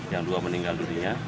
yang dua meninggal dirinya